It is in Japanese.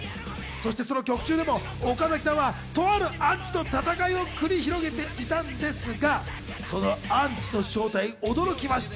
その曲中でも岡崎さんは、とあるアンチと戦いを繰り広げていたんですが、そのアンチの正体、驚きました。